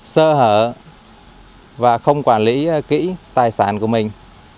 sơ hở và không quản lý kỹ tài sản của mình